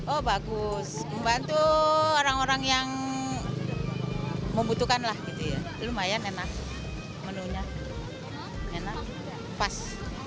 oh bagus membantu orang orang yang membutuhkan lah gitu ya lumayan enak menunya enak pas